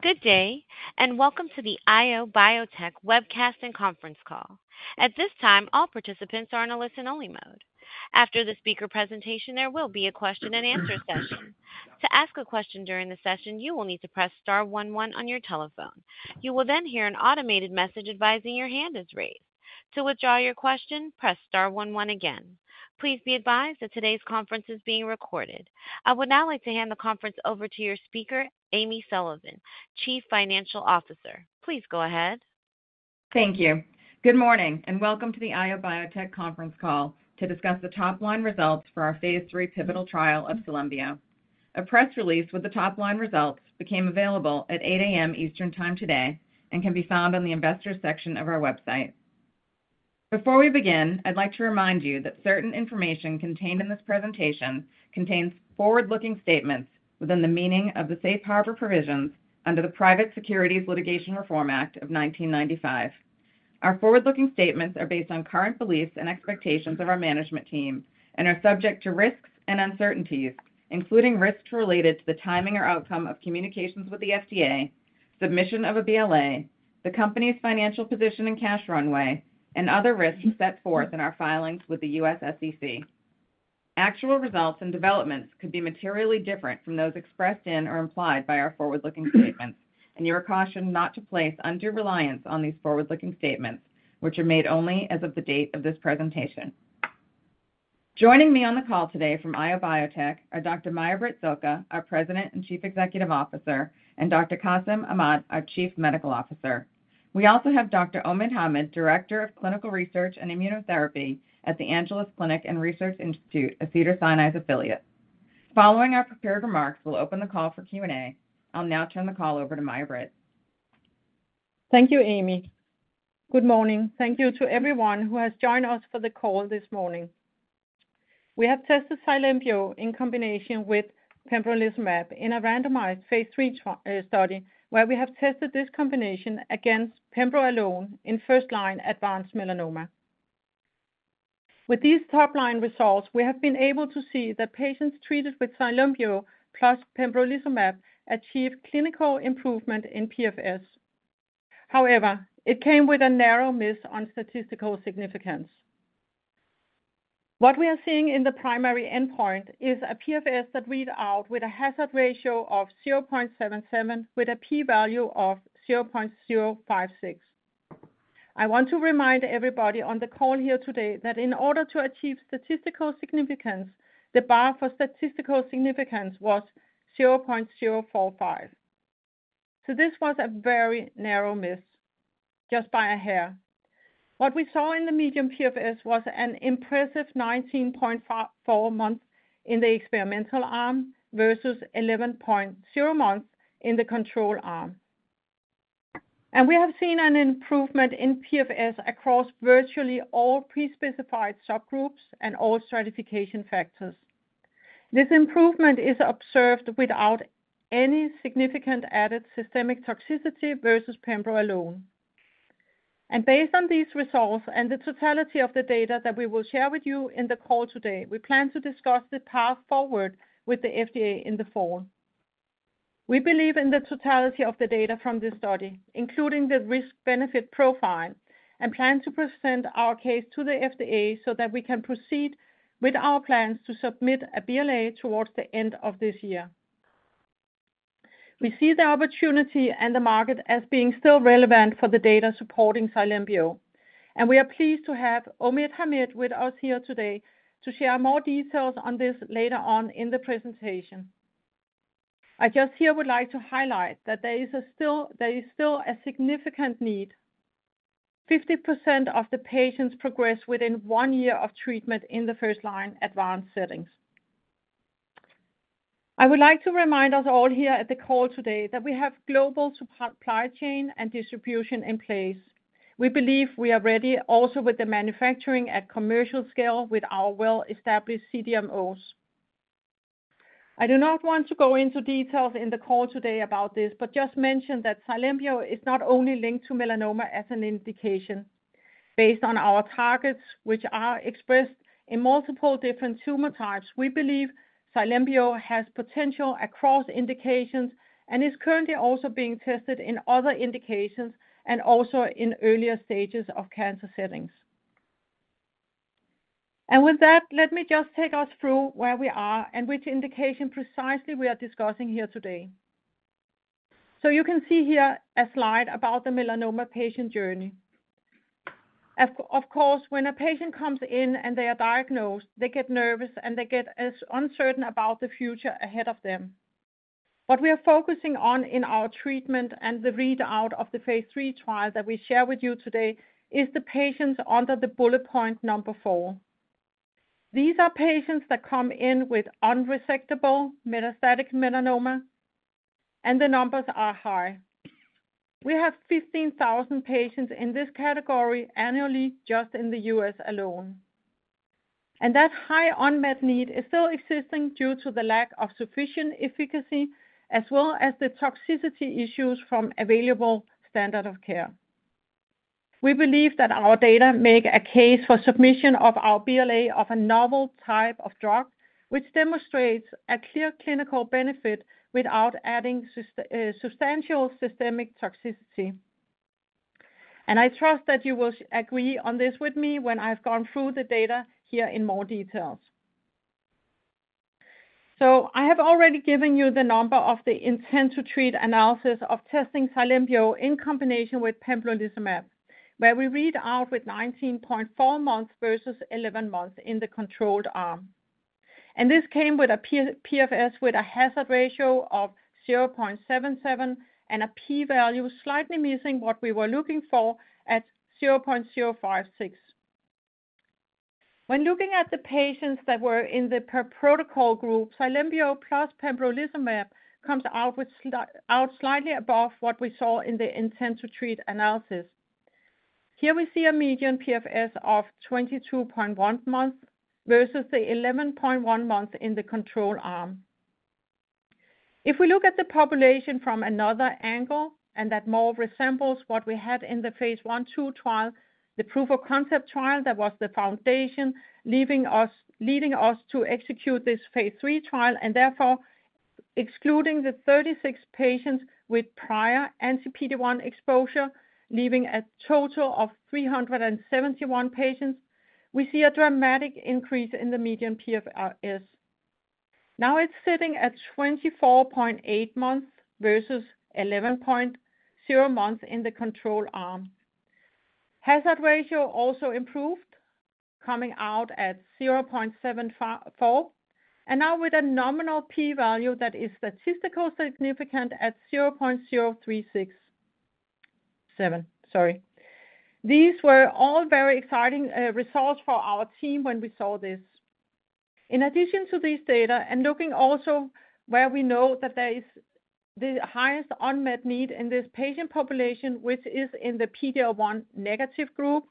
Good day, and welcome to the IO Biotech webcast and conference call. At this time, all participants are in a listen-only mode. After the speaker presentation, there will be a question and answer session. To ask a question during the session, you will need to press star one one on your telephone. You will then hear an automated message advising your hand is raised. To withdraw your question, press star one one again. Please be advised that today's conference is being recorded. I would now like to hand the conference over to your speaker, Amy Sullivan, Chief Financial Officer. Please go ahead. Thank you. Good morning and welcome to the IO Biotech conference call to discuss the top-line results for our Phase 3 Pivotal Trial of Cylembio™. A press release with the top-line results became available at 8:00 A.M. Eastern Time today and can be found on the Investors section of our website. Before we begin, I'd like to remind you that certain information contained in this presentation contains forward-looking statements within the meaning of the Safe Harbor provisions under the Private Securities Litigation Reform Act of 1995. Our forward-looking statements are based on current beliefs and expectations of our management team and are subject to risks and uncertainties, including risks related to the timing or outcome of communications with the FDA, submission of a BLA, the company's financial position and cash runway, and other risks set forth in our filings with the U.S. SEC. Actual results and developments could be materially different from those expressed in or implied by our forward-looking statements, and you are cautioned not to place undue reliance on these forward-looking statements, which are made only as of the date of this presentation. Joining me on the call today from IO Biotech are Dr. Mai-Britt Zocca, our President and Chief Executive Officer, and Dr. Qasim Ahmad, our Chief Medical Officer. We also have Dr. Omid Hamid, Director of Clinical Research and Immunotherapy at The Angeles Clinic and Research Institute at Cedars-Sinai Affiliate. Following our prepared remarks, we'll open the call for Q&A. I'll now turn the call over to Mai-Britt. Thank you, Amy. Good morning. Thank you to everyone who has joined us for the call this morning. We have tested Cylembio™ in combination with pembrolizumab in a randomized phase 3 study where we have tested this combination against pembrolizumab alone in first-line advanced melanoma. With these top-line results, we have been able to see that patients treated with Cylembio™ plus pembrolizumab achieved clinical improvement in PFS. However, it came with a narrow miss on statistical significance. What we are seeing in the primary endpoint is a PFS that reads out with a hazard ratio of 0.77 with a p-value of 0.056. I want to remind everybody on the call here today that in order to achieve statistical significance, the bar for statistical significance was 0.045. This was a very narrow miss just by a hair. What we saw in the median PFS was an impressive 19.4 months in the experimental arm versus 11.0 months in the control arm. We have seen an improvement in PFS across virtually all pre-specified subgroups and all stratification factors. This improvement is observed without any significant added systemic toxicity versus pembrolizumab alone. Based on these results and the totality of the data that we will share with you in the call today, we plan to discuss the path forward with the FDA in the fall. We believe in the totality of the data from this study, including the risk-benefit profile, and plan to present our case to the FDA so that we can proceed with our plans to submit a BLA towards the end of this year. We see the opportunity and the market as being still relevant for the data supporting Cylembio™. We are pleased to have Dr. Omid Hamid with us here today to share more details on this later on in the presentation. I just here would like to highlight that there is still a significant need. 50% of the patients progress within one year of treatment in the first-line advanced settings. I would like to remind us all here at the call today that we have global supply chain and distribution in place. We believe we are ready also with the manufacturing at commercial scale with our well-established CDMOs. I do not want to go into details in the call today about this, but just mention that Cylembio™ is not only linked to melanoma as an indication. Based on our targets, which are expressed in multiple different tumor types, we believe Cylembio™ has potential across indications and is currently also being tested in other indications and also in earlier stages of cancer settings. Let me just take us through where we are and which indication precisely we are discussing here today. You can see here a slide about the melanoma patient journey. Of course, when a patient comes in and they are diagnosed, they get nervous and they get uncertain about the future ahead of them. What we are focusing on in our treatment and the readout of the Phase 3 Pivotal Trial that we share with you today is the patients under the bullet point number four. These are patients that come in with unresectable metastatic melanoma, and the numbers are high. We have 15,000 patients in this category annually just in the U.S. alone. That high unmet need is still existing due to the lack of sufficient efficacy as well as the toxicity issues from available standards of care. We believe that our data make a case for submission of our BLA of a novel type of drug, which demonstrates a clear clinical benefit without adding substantial systemic toxicity. I trust that you will agree on this with me when I've gone through the data here in more details. I have already given you the number of the intent-to-treat analysis of testing Cylembio™ in combination with pembrolizumab, where we read out with 19.4 months versus 11 months in the control arm. This came with a PFS with a hazard ratio of 0.77 and a p-value slightly missing what we were looking for at 0.056. When looking at the patients that were in the per-protocol group, Cylembio™ plus pembrolizumab comes out slightly above what we saw in the intent-to-treat analysis. Here we see a median PFS of 22.1 months versus the 11.1 months in the control arm. If we look at the population from another angle, and that more resembles what we had in the Phase 1/2 trial, the proof of concept trial that was the foundation leading us to execute this phase 3 pivotal trial and therefore excluding the 36 patients with prior anti-PD-1 exposure, leaving a total of 371 patients, we see a dramatic increase in the median PFS. Now it's sitting at 24.8 months versus 11.0 months in the control arm. Hazard ratio also improved, coming out at 0.74, and now with a nominal p-value that is statistically significant at 0.036. These were all very exciting results for our team when we saw this. In addition to these data and looking also where we know that there is the highest unmet need in this patient population, which is in the PD-L1 negative group,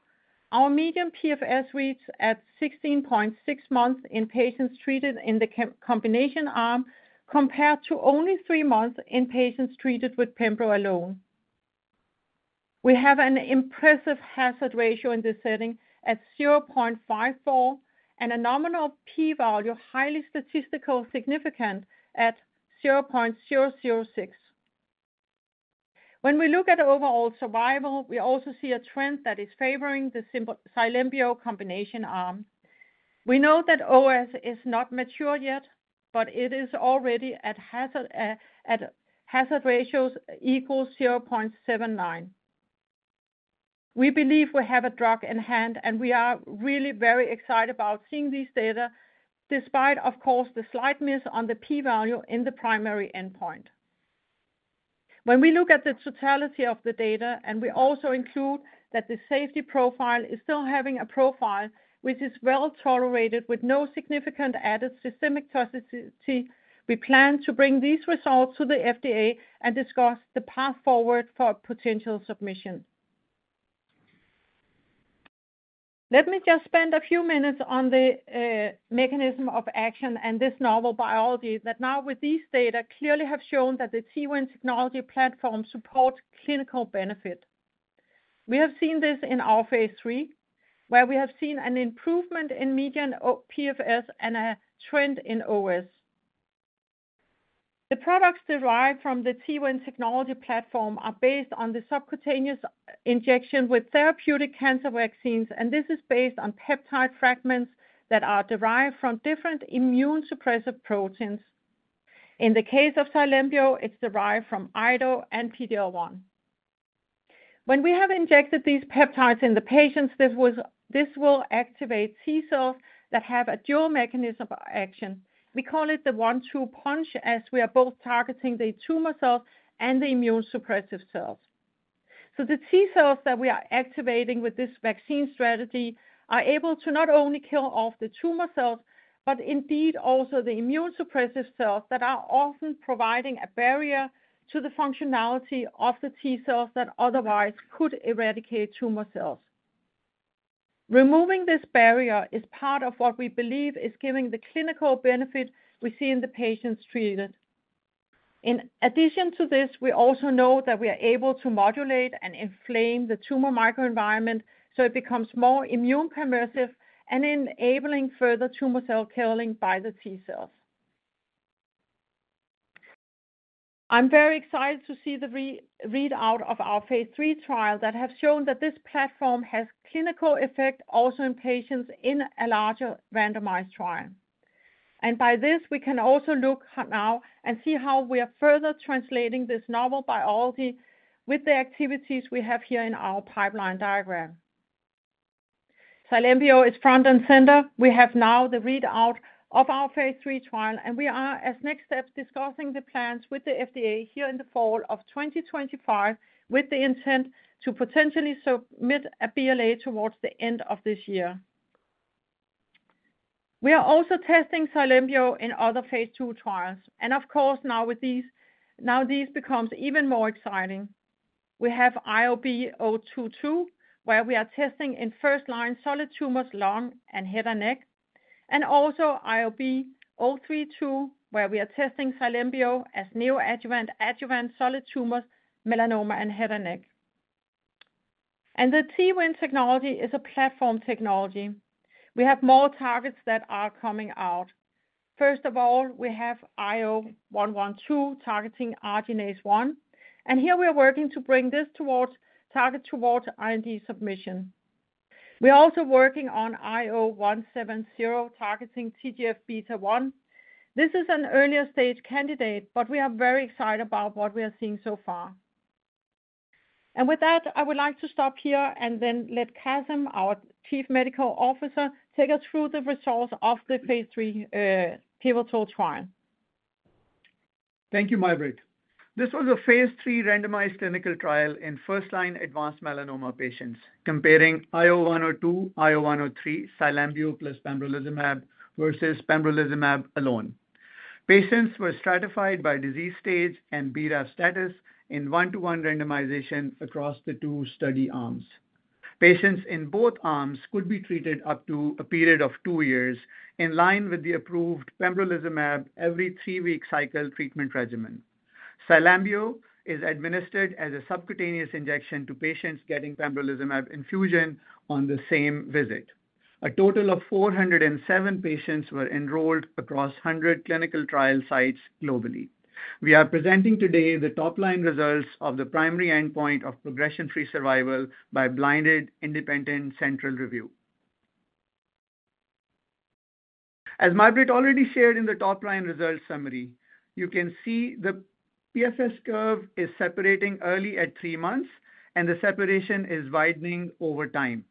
our median PFS reads at 16.6 months in patients treated in the combination arm compared to only 3 months in patients treated with pembrolizumab alone. We have an impressive hazard ratio in this setting at 0.54 and a nominal p-value highly statistically significant at 0.006. When we look at overall survival, we also see a trend that is favoring the Cylembio™ combination arm. We know that OS is not matured yet, but it is already at hazard ratios equal 0.79. We believe we have a drug in hand, and we are really very excited about seeing these data despite, of course, the slight miss on the p-value in the primary endpoint. When we look at the totality of the data and we also include that the safety profile is still having a profile which is well tolerated with no significant added systemic toxicity, we plan to bring these results to the FDA and discuss the path forward for potential submission. Let me just spend a few minutes on the mechanism of action and this novel biology that now with these data clearly have shown that the T-win® platform supports clinical benefit. We have seen this in our Phase 3 Pivotal Trial, where we have seen an improvement in median PFS and a trend in OS. The products derived from the T-win® platform are based on the subcutaneous injection with therapeutic cancer vaccines, and this is based on peptide fragments that are derived from different immune suppressive proteins. In the case of Cylembio™, it's derived from IDO and PD-L1. When we have injected these peptides in the patients, this will activate T cells that have a dual mechanism of action. We call it the one-two punch as we are both targeting the tumor cells and the immune suppressive cells. The T cells that we are activating with this vaccine strategy are able to not only kill off the tumor cells, but indeed also the immune suppressive cells that are often providing a barrier to the functionality of the T cells that otherwise could eradicate tumor cells. Removing this barrier is part of what we believe is giving the clinical benefit we see in the patients treated. In addition to this, we also know that we are able to modulate and inflame the tumor microenvironment so it becomes more immune pervasive and enabling further tumor cell killing by the T cells. I'm very excited to see the readout of our phase 3 trial that has shown that this platform has clinical effect also in patients in a larger randomized trial. By this, we can also look now and see how we are further translating this novel biology with the activities we have here in our pipeline diagram. Cylembio™ is front and center. We have now the readout of our phase 3 trial, and we are, as next steps, discussing the plans with the FDA here in the fall of 2025 with the intent to potentially submit a BLA towards the end of this year. We are also testing Cylembio™ in other phase 2 trials, and now with these, this becomes even more exciting. We have IOB022, where we are testing in first-line solid tumors, lung and head and neck, and also IOB032, where we are testing Cylembio™ as neoadjuvant adjuvant solid tumors, melanoma and head and neck. The T-win® technology is a platform technology. We have more targets that are coming out. First of all, we have IO112 targeting Arginase 1, and here we are working to bring this target towards IND submission. We are also working on IO170 targeting TGF-beta 1. This is an earlier stage candidate, but we are very excited about what we are seeing so far. With that, I would like to stop here and then let Qasim, our Chief Medical Officer, take us through the results of the Phase 3 Pivotal Trial. Thank you, Mai-Britt. This was a phase 3 randomized clinical trial in first-line advanced melanoma patients comparing IO102, IO103 Cylembio™ plus pembrolizumab versus pembrolizumab alone. Patients were stratified by disease stage and BRAF status in one-to-one randomization across the two study arms. Patients in both arms could be treated up to a period of two years in line with the approved pembrolizumab every three-week cycle treatment regimen. Cylembio™ is administered as a subcutaneous injection to patients getting pembrolizumab infusion on the same visit. A total of 407 patients were enrolled across 100 clinical trial sites globally. We are presenting today the top-line results of the primary endpoint of progression-free survival by blinded independent central review. As Mai-Britt already shared in the top-line results summary, you can see the PFS curve is separating early at three months, and the separation is widening over time.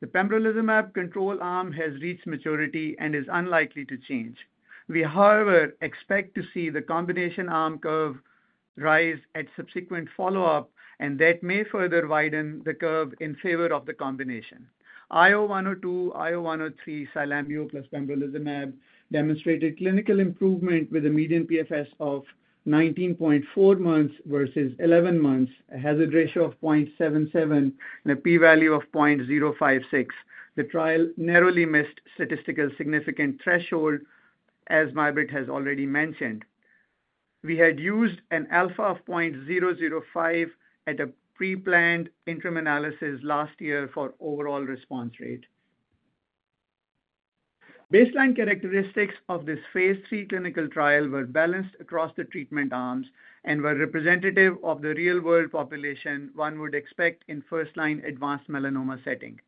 The pembrolizumab control arm has reached maturity and is unlikely to change. We, however, expect to see the combination arm curve rise at subsequent follow-up, and that may further widen the curve in favor of the combination. IO102, IO103 Cylembio™ plus pembrolizumab demonstrated clinical improvement with a median PFS of 19.4 months versus 11 months, a hazard ratio of 0.77, and a p-value of 0.056. The trial narrowly missed statistical significance threshold, as Mai-Britt has already mentioned. We had used an alpha of 0.005 at a pre-planned interim analysis last year for overall response rate. Baseline characteristics of this phase 3 clinical trial were balanced across the treatment arms and were representative of the real-world population one would expect in first-line advanced melanoma setting.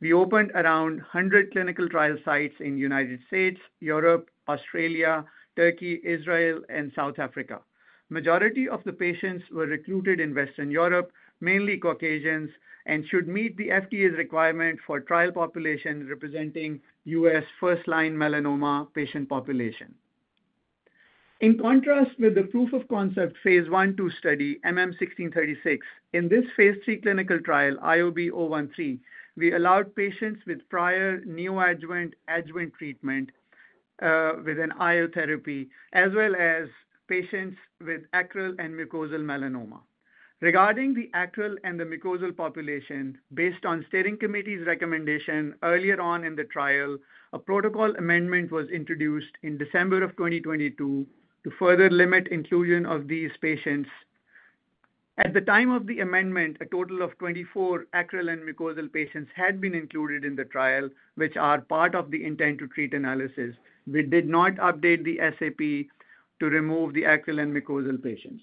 We opened around 100 clinical trial sites in the United States, Europe, Australia, Turkey, Israel, and South Africa. The majority of the patients were recruited in Western Europe, mainly Caucasians, and should meet the FDA's requirement for trial population representing U.S. first-line melanoma patient population. In contrast with the proof of concept Phase 1/2 study, MM1636, in this phase 3 clinical trial, IOB013, we allowed patients with prior neoadjuvant adjuvant treatment with an IO therapy, as well as patients with acral and mucosal melanoma. Regarding the acral and the mucosal population, based on the steering committee's recommendation earlier on in the trial, a protocol amendment was introduced in December of 2022 to further limit inclusion of these patients. At the time of the amendment, a total of 24 acral and mucosal patients had been included in the trial, which are part of the intent-to-treat analysis. We did not update the SAP to remove the acral and mucosal patients.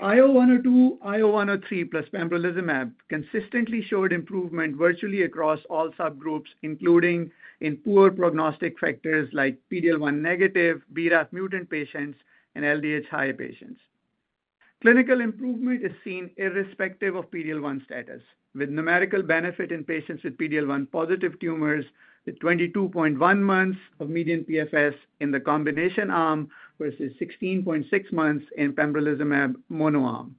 IO102, IO103 plus pembrolizumab consistently showed improvement virtually across all subgroups, including in poor prognostic factors like PD-L1 negative, BRAF mutant patients, and LDH high patients. Clinical improvement is seen irrespective of PD-L1 status, with numerical benefit in patients with PD-L1 positive tumors with 22.1 months of median PFS in the combination arm versus 16.6 months in pembrolizumab monoarm.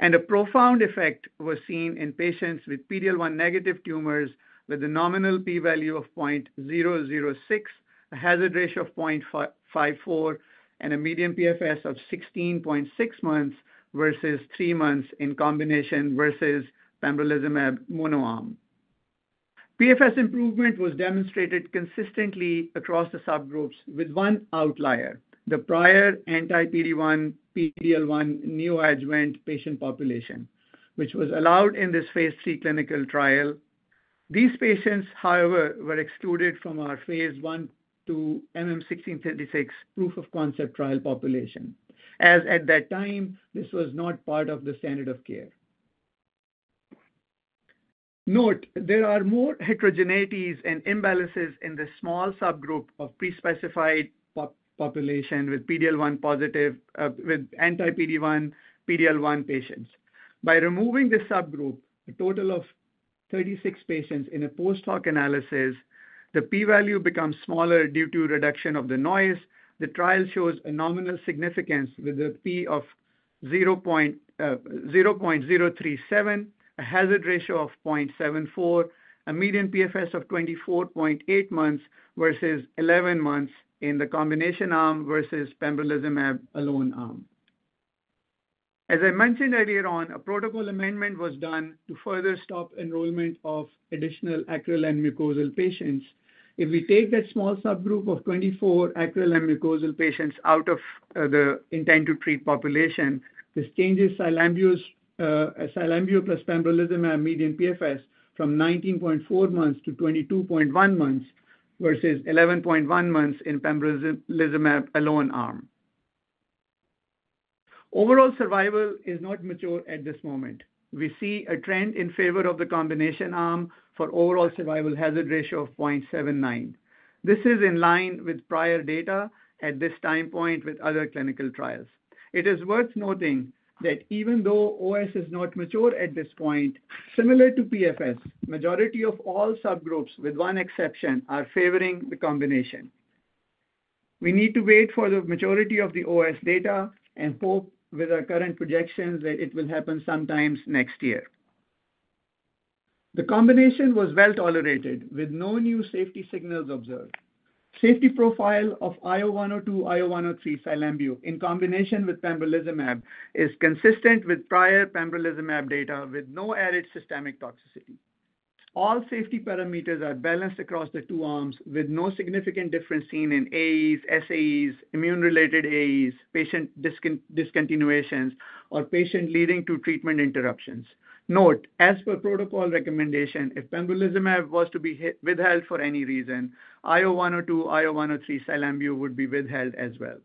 A profound effect was seen in patients with PD-L1 negative tumors with a nominal p-value of 0.006, a hazard ratio of 0.54, and a median PFS of 16.6 months versus 3 months in combination versus pembrolizumab monoarm. PFS improvement was demonstrated consistently across the subgroups with one outlier, the prior anti-PD-1/PD-L1 neoadjuvant patient population, which was allowed in this phase 3 clinical trial. These patients, however, were excluded from our Phase 1/2 MM1636 proof of concept trial population, as at that time, this was not part of the standard of care. Note, there are more heterogeneities and imbalances in the small subgroup of pre-specified population with anti-PD-1/PD-L1 patients. By removing this subgroup, a total of 36 patients in a post-hoc analysis, the p-value becomes smaller due to reduction of the noise. The trial shows a nominal significance with a p of 0.037, a hazard ratio of 0.74, a median PFS of 24.8 months versus 11 months in the combination arm versus pembrolizumab alone arm. As I mentioned earlier on, a protocol amendment was done to further stop enrollment of additional acral and mucosal patients. If we take that small subgroup of 24 acral and mucosal patients out of the intent-to-treat population, this changes Cylembio™ plus pembrolizumab median PFS from 19.4 months-22.1 months versus 11.1 months in pembrolizumab alone arm. Overall survival is not mature at this moment. We see a trend in favor of the combination arm for overall survival hazard ratio of 0.79. This is in line with prior data at this time point with other clinical trials. It is worth noting that even though OS is not mature at this point, similar to PFS, the majority of all subgroups, with one exception, are favoring the combination. We need to wait for the maturity of the OS data and hope with our current projections that it will happen sometime next year. The combination was well tolerated with no new safety signals observed. The safety profile of imsapepimut, etimupepimut Cylembio™ in combination with pembrolizumab is consistent with prior pembrolizumab data with no added systemic toxicity. All safety parameters are balanced across the two arms with no significant difference seen in AEs, SAEs, immune-related AEs, patient discontinuations, or patient leading to treatment interruptions. Note, as per protocol recommendation, if pembrolizumab was to be withheld for any reason, imsapepimut, etimupepimut Cylembio™ would be withheld as well.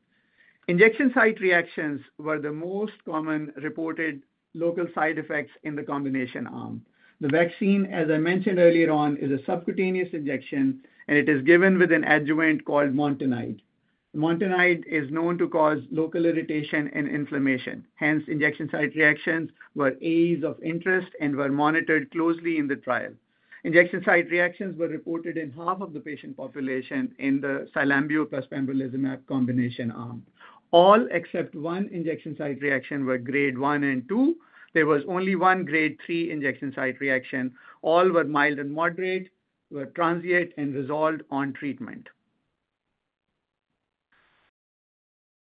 Injection site reactions were the most common reported local side effects in the combination arm. The vaccine, as I mentioned earlier on, is a subcutaneous injection, and it is given with an adjuvant called Montanide. Montanide is known to cause local irritation and inflammation. Hence, injection site reactions were AEs of interest and were monitored closely in the trial. Injection site reactions were reported in half of the patient population in the Cylembio™ plus pembrolizumab combination arm. All except one injection site reaction were grade one and two. There was only one grade three injection site reaction. All were mild and moderate, were transient, and resolved on treatment.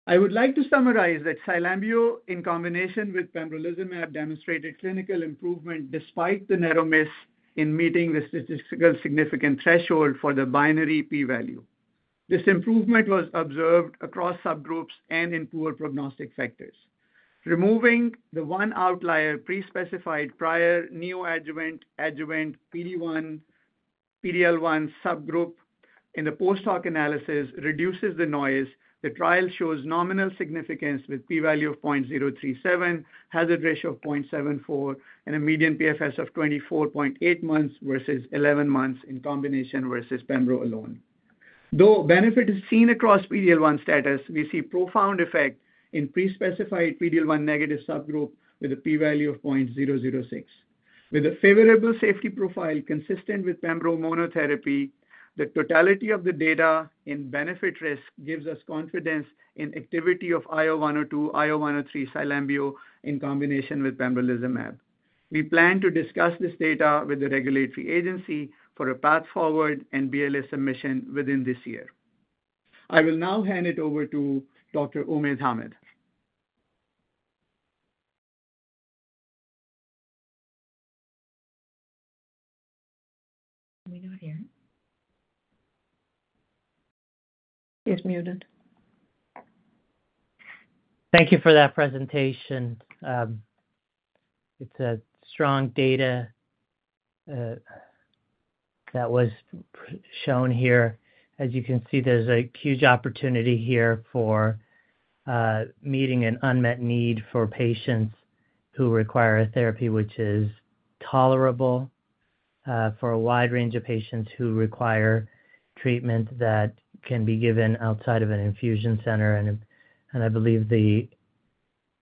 I would like to summarize that Cylembio™ in combination with pembrolizumab demonstrated clinical improvement despite the narrow miss in meeting the statistical significance threshold for the binary p-value. This improvement was observed across subgroups and in poor prognostic factors. Removing the one outlier pre-specified prior neoadjuvant adjuvant PD-L1 subgroup in the post-hoc analysis reduces the noise. The trial shows nominal significance with a p-value of 0.037, hazard ratio of 0.74, and a median PFS of 24.8 months versus 11 months in combination versus pembrolizumab alone. Though benefit is seen across PD-L1 status, we see a profound effect in pre-specified PD-L1 negative subgroup with a p-value of 0.006. With a favorable safety profile consistent with pembrolizumab monotherapy, the totality of the data in benefit risk gives us confidence in the activity of imsapepimut, etimupepimut Cylembio™ in combination with pembrolizumab. We plan to discuss this data with the regulatory agency for a path forward and BLA submission within this year. I will now hand it over to Dr. Omid Hamid. Are we now hearing? He is muted. Thank you for that presentation. It's a strong data that was shown here. As you can see, there's a huge opportunity here for meeting an unmet need for patients who require a therapy which is tolerable for a wide range of patients who require treatment that can be given outside of an infusion center. I believe the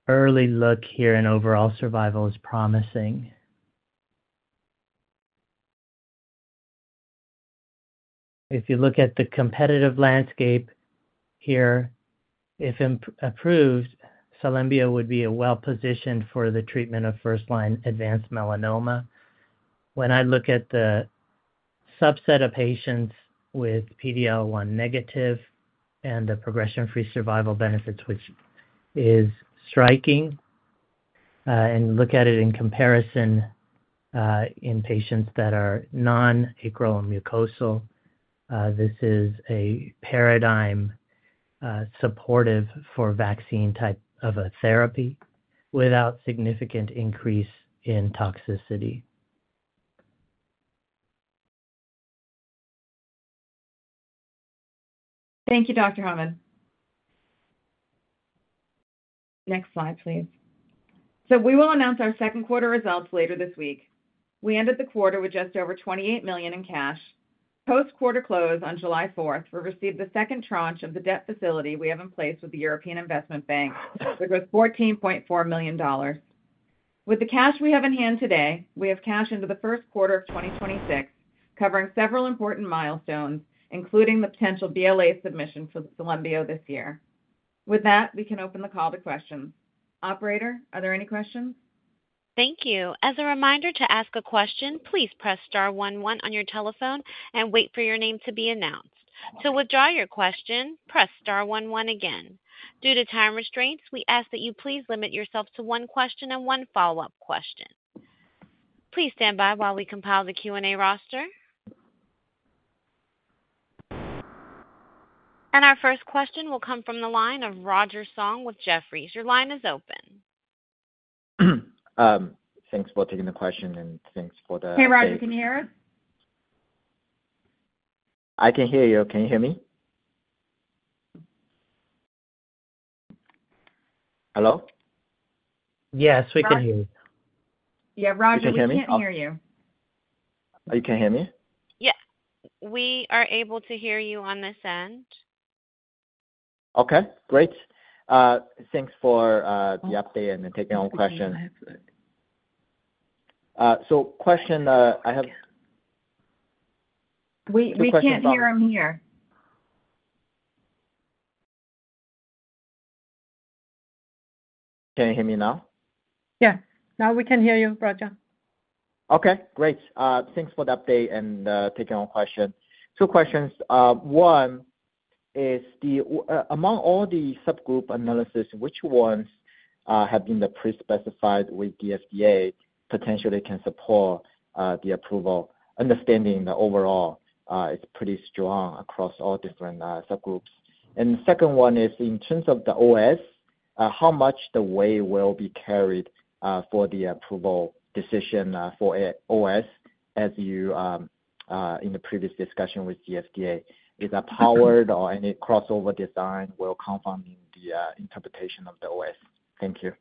early look here in overall survival is promising. If you look at the competitive landscape here, if approved, Cylembio™ would be well positioned for the treatment of first-line advanced melanoma. When I look at the subset of patients with PD-L1 negative and the progression-free survival benefits, which is striking, and look at it in comparison in patients that are non-acral and mucosal, this is a paradigm supportive for vaccine type of a therapy without significant increase in toxicity. Thank you, Dr. Hamid. Next slide, please. We will announce our second quarter results later this week. We ended the quarter with just over $28 million in cash. Post-quarter close on July 4th, we received the second tranche of the debt facility we have in place with the European Investment Bank, which was $14.4 million. With the cash we have in hand today, we have cash into the first quarter of 2026, covering several important milestones, including the potential BLA submission for Cylembio™ this year. With that, we can open the call to questions. Operator, are there any questions? Thank you. As a reminder to ask a question, please press star one one on your telephone and wait for your name to be announced. To withdraw your question, press star one one again. Due to time restraints, we ask that you please limit yourself to one question and one follow-up question. Please stand by while we compile the Q&A roster. Our first question will come from the line of Roger Song with Jefferies. Your line is open. Thanks for taking the question and thanks for the. Hey, Roger, can you hear us? I can hear you. Can you hear me? Hello? Yes, we can hear you. Yeah, Roger, we can't hear you. You can't hear me? Yeah, we are able to hear you on this end. Okay. Great. Thanks for the update and taking all questions. The question I have. We can't hear him here. Can you hear me now? Yeah, now we can hear you, Roger. Okay. Great. Thanks for the update and taking all questions. Two questions. One is, among all the subgroup analysis, which ones have been pre-specified with the FDA that potentially can support the approval, understanding that overall it's pretty strong across all different subgroups? The second one is, in terms of the OS, how much weight will be carried for the approval decision for OS, as you mentioned in the previous discussion with the FDA? Is that powered or will any crossover design confound the interpretation of the OS? Thank you.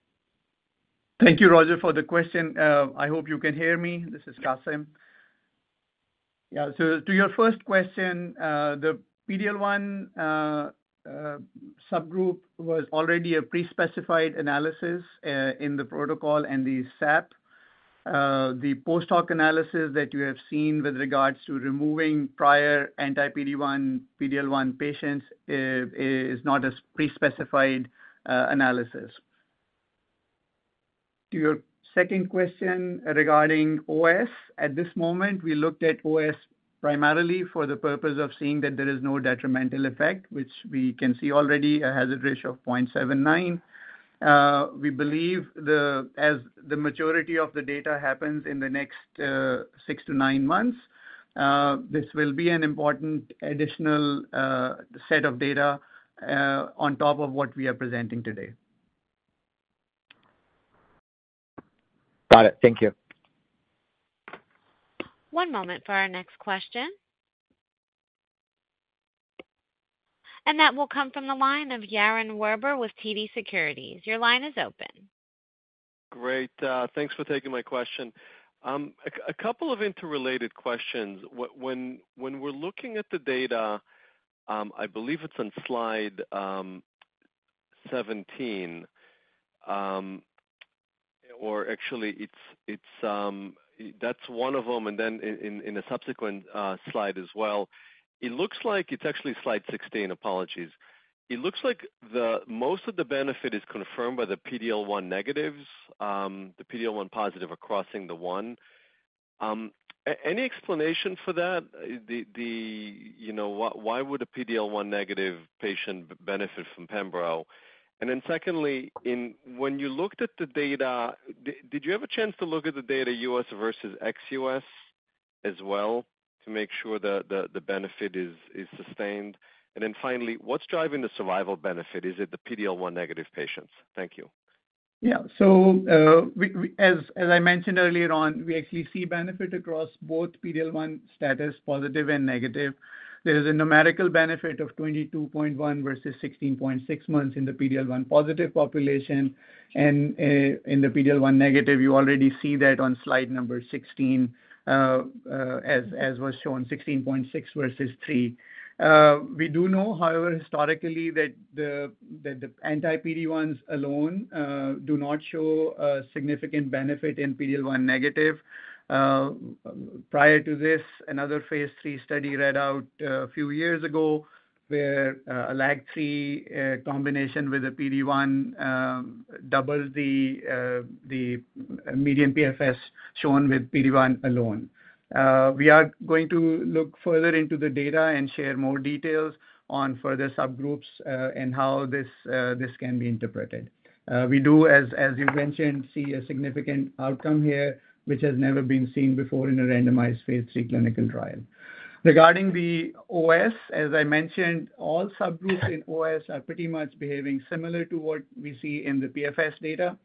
Thank you, Roger, for the question. I hope you can hear me. This is Qasim. To your first question, the PD-L1 subgroup was already a pre-specified analysis in the protocol and the SAP. The post-hoc analysis that you have seen with regards to removing prior anti-PD-1/PD-L1 patients is not a pre-specified analysis. To your second question regarding OS, at this moment, we looked at OS primarily for the purpose of seeing that there is no detrimental effect, which we can see already, a hazard ratio of 0.79. We believe as the maturity of the data happens in the next six to nine months, this will be an important additional set of data on top of what we are presenting today. Got it. Thank you. One moment for our next question. That will come from the line of Yaron Werber with TD Securities. Your line is open. Great. Thanks for taking my question. A couple of interrelated questions. When we're looking at the data, I believe it's on slide 17, or actually, that's one of them. In a subsequent slide as well, it looks like it's actually slide 16. Apologies. It looks like most of the benefit is confirmed by the PD-L1 negatives, the PD-L1 positive across the one. Any explanation for that? You know, why would a PD-L1 negative patient benefit from pembrolizumab? Secondly, when you looked at the data, did you have a chance to look at the data U.S. versus ex-U.S. as well to make sure that the benefit is sustained? Finally, what's driving the survival benefit? Is it the PD-L1 negative patients? Thank you. Yeah. As I mentioned earlier on, we actually see benefit across both PD-L1 status positive and negative. There is a numerical benefit of 22.1 versus 16.6 months in the PD-L1 positive population. In the PD-L1 negative, you already see that on slide number 16, as was shown, 16.6 versus 3. We do know, however, historically that the anti-PD-1s alone do not show a significant benefit in PD-L1 negative. Prior to this, another phase 3 study read out a few years ago where a LAG3 combination with a PD-1 doubled the median PFS shown with PD-1 alone. We are going to look further into the data and share more details on further subgroups and how this can be interpreted. We do, as you mentioned, see a significant outcome here, which has never been seen before in a randomized phase 3 clinical trial. Regarding the OS, as I mentioned, all subgroups in OS are pretty much behaving similar to what we see in the PFS data,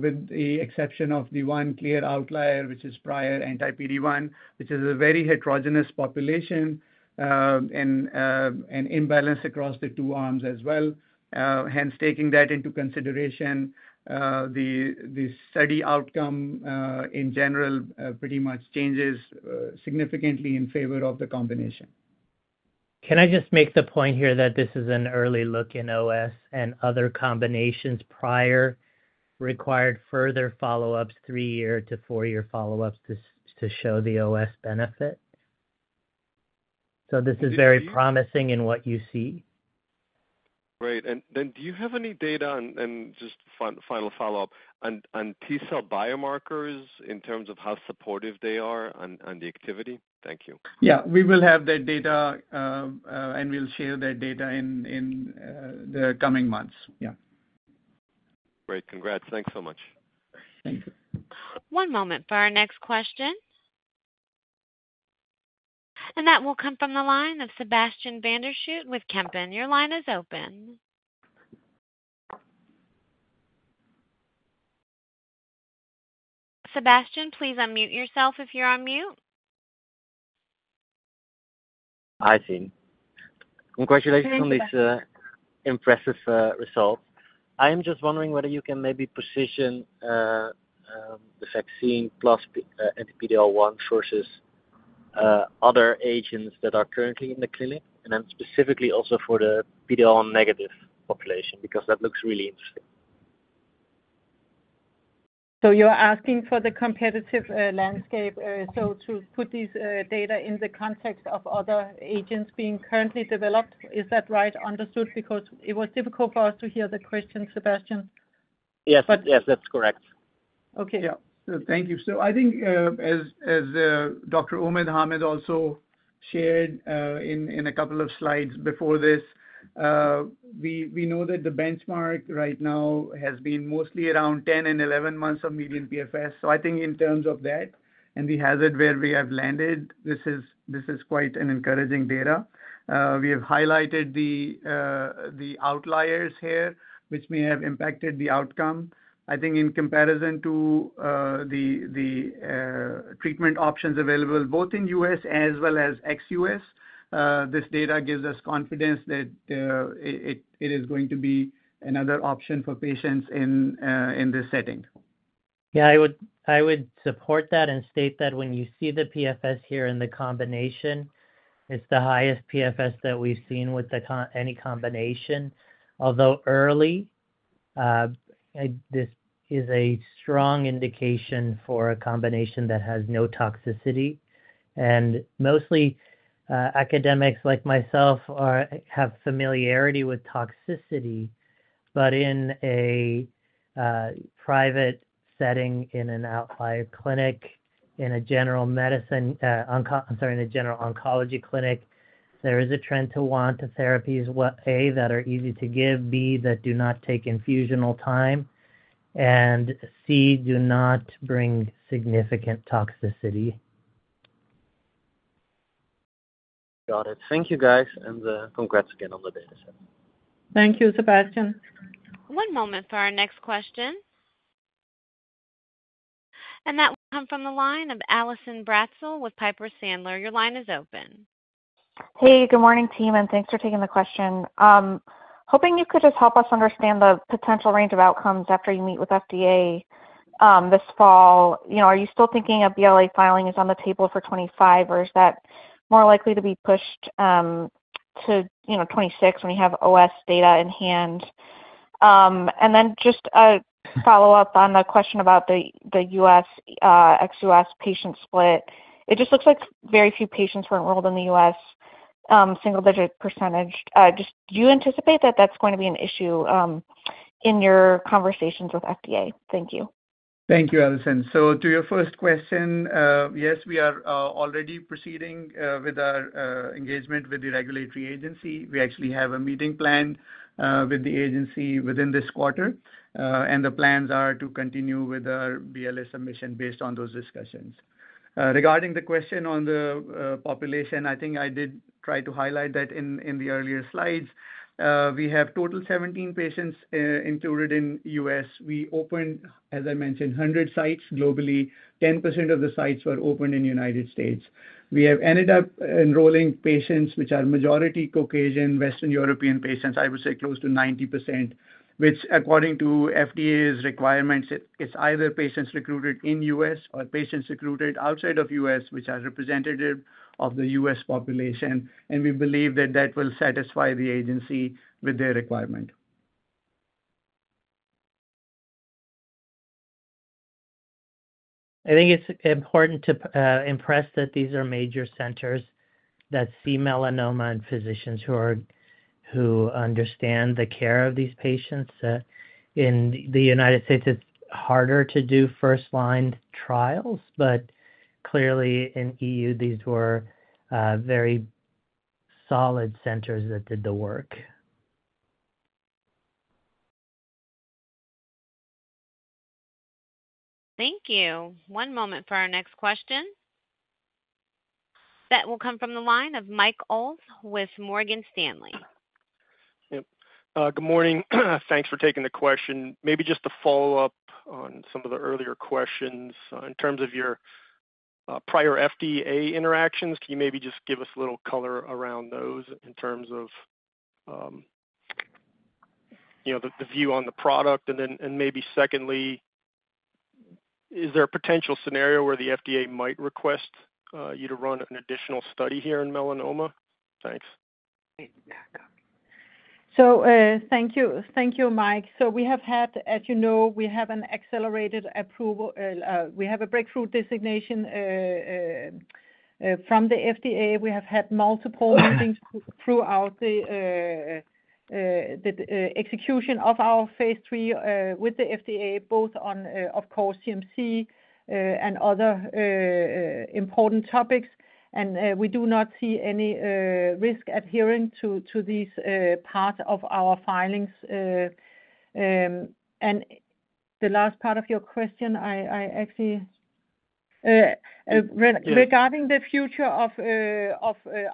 with the exception of the one clear outlier, which is prior anti-PD-1, which is a very heterogeneous population and imbalance across the two arms as well. Hence, taking that into consideration, the study outcome in general pretty much changes significantly in favor of the combination. Can I just make the point here that this is an early look in OS, and other combinations prior required further follow-ups, three-year to four-year follow-ups, to show the OS benefit? This is very promising in what you see. Right. Do you have any data and just final follow-up on T cell biomarkers in terms of how supportive they are on the activity? Thank you. We will have that data and we'll share that data in the coming months. Great. Congrats. Thanks so much. Thank you. One moment for our next question. That will come from the line of Sebastiaan van der Schoot with Kempen. Your line is open. Sebastiaan, please unmute yourself if you're on mute. I see. Congratulations on this impressive result. I am just wondering whether you can maybe position the vaccine plus PD-L1 versus other agents that are currently in the clinic, and then specifically also for the PD-L1 negative population because that looks really interesting. You're asking for the competitive landscape. To put this data in the context of other agents being currently developed, is that right? Because it was difficult for us to hear the question, Sebastiaan. Yes, that's correct. Okay. Thank you. I think as Dr. Omid Hamid also shared in a couple of slides before this, we know that the benchmark right now has been mostly around 10-11 months of median PFS. I think in terms of that and the hazard where we have landed, this is quite encouraging data. We have highlighted the outliers here, which may have impacted the outcome. I think in comparison to the treatment options available both in the U.S. as well as ex-U.S., this data gives us confidence that it is going to be another option for patients in this setting. Yeah. I would support that and state that when you see the PFS here in the combination, it's the highest PFS that we've seen with any combination. Although early, this is a strong indication for a combination that has no toxicity. Mostly academics like myself have familiarity with toxicity. In a private setting, in an outlier clinic, in a general oncology clinic, there is a trend to want therapies, A, that are easy to give, B, that do not take infusional time, and C, do not bring significant toxicity. Got it. Thank you, guys, and congrats again on the dataset. Thank you, Sebastiaan. One moment for our next question. That will come from the line of Allison Bratzel with Piper Sandler. Your line is open. Hey, good morning, team, and thanks for taking the question. Hoping you could just help us understand the potential range of outcomes after you meet with the FDA this fall. You know, are you still thinking a BLA filing is on the table for 2025, or is that more likely to be pushed to 2026 when you have OS data in hand? Just a follow-up on the question about the U.S. ex-U.S. patient split. It just looks like very few patients were enrolled in the U.S., single-digit %. Do you anticipate that that's going to be an issue in your conversations with the FDA? Thank you. Thank you, Allison. To your first question, yes, we are already proceeding with our engagement with the regulatory agency. We actually have a meeting planned with the agency within this quarter, and the plans are to continue with our BLA submission based on those discussions. Regarding the question on the population, I think I did try to highlight that in the earlier slides. We have a total of 17 patients included in the U.S. We opened, as I mentioned, 100 sites globally. 10% of the sites were opened in the United States. We have ended up enrolling patients which are majority Caucasian, Western European patients, I would say close to 90%, which according to FDA's requirements, it's either patients recruited in the U.S. or patients recruited outside of the U.S., which are representative of the U.S. population. We believe that that will satisfy the agency with their requirement. I think it's important to impress that these are major centers that see melanoma and physicians who understand the care of these patients. In the United States, it's harder to do first-line trials, but clearly in the EU, these were very solid centers that did the work. Thank you. One moment for our next question. That will come from the line of Mike Ulz with Morgan Stanley. Good morning. Thanks for taking the question. Maybe just a follow-up on some of the earlier questions. In terms of your prior FDA interactions, can you maybe just give us a little color around those in terms of the view on the product? Is there a potential scenario where the FDA might request you to run an additional study here in melanoma? Thanks. Thank you, Mike. We have had, as you know, we have an accelerated approval. We have a breakthrough designation from the FDA. We have had multiple meetings throughout the execution of our phase 3 with the FDA, both on, of course, CMC and other important topics. We do not see any risk adhering to these parts of our filings. The last part of your question, I actually. Yes. Regarding the future of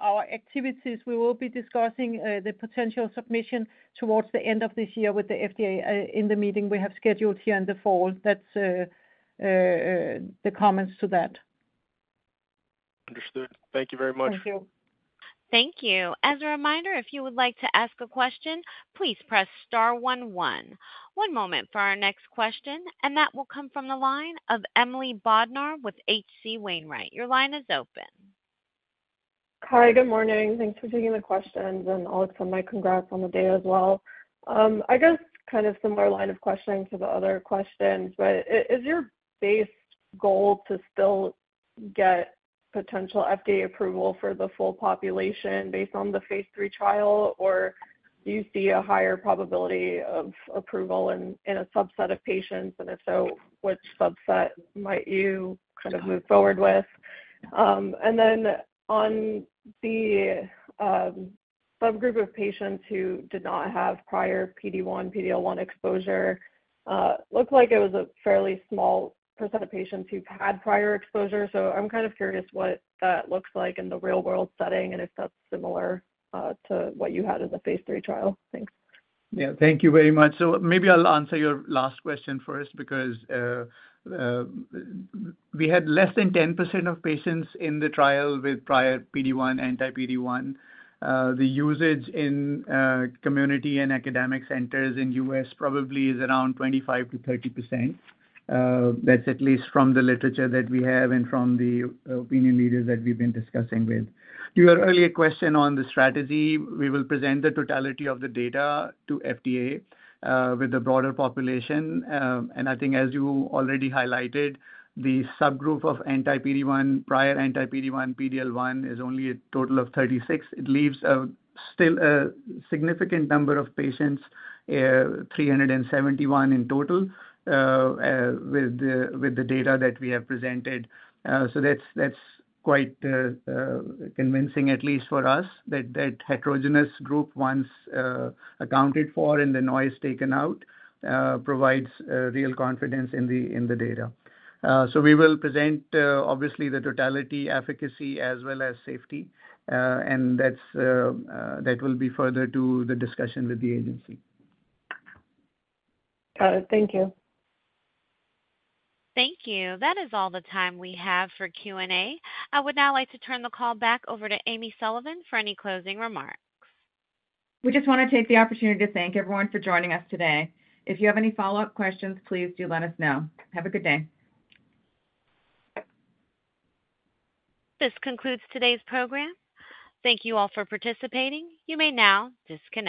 our activities, we will be discussing the potential submission towards the end of this year with the FDA in the meeting we have scheduled here in the fall. That's the comments to that. Understood. Thank you very much. Thank you. Thank you. As a reminder, if you would like to ask a question, please press star one one. One moment for our next question. That will come from the line of Emily Bodnar with H.C. Wainwright. Your line is open. Hi. Good morning. Thanks for taking the questions. And congrats on the day as well. I guess kind of a similar line of questioning to the other questions, is your base goal to still get potential FDA approval for the full population based on the phase 3 trial, or do you see a higher probability of approval in a subset of patients? If so, which subset might you kind of move forward with? On the subgroup of patients who did not have prior PD-1, PD-L1 exposure, it looked like it was a fairly small percent of patients who've had prior exposure. I'm kind of curious what that looks like in the real-world setting and if that's similar to what you had in the phase 3 trial. Thanks. Thank you very much. Maybe I'll answer your last question first because we had less than 10% of patients in the trial with prior PD-1, anti-PD-1. The usage in community and academic centers in the U.S. probably is around 25% to 30%. That's at least from the literature that we have and from the opinion leaders that we've been discussing with. To your earlier question on the strategy, we will present the totality of the data to FDA with the broader population. I think, as you already highlighted, the subgroup of prior anti-PD-1, PD-L1 is only a total of 36. It leaves still a significant number of patients, 371 in total, with the data that we have presented. That's quite convincing, at least for us, that that heterogeneous group, once accounted for and the noise taken out, provides real confidence in the data. We will present, obviously, the totality, efficacy, as well as safety. That will be further to the discussion with the agency. Got it. Thank you. Thank you. That is all the time we have for Q&A. I would now like to turn the call back over to Amy Sullivan for any closing remarks. We just want to take the opportunity to thank everyone for joining us today. If you have any follow-up questions, please do let us know. Have a good day. This concludes today's program. Thank you all for participating. You may now disconnect.